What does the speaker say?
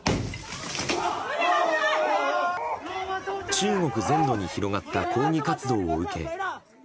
中国全土に広がった抗議活動を受け。